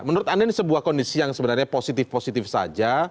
menurut anda ini sebuah kondisi yang sebenarnya positif positif saja